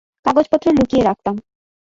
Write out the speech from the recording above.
কাগজপত্র লুকিয়ে রাখতাম।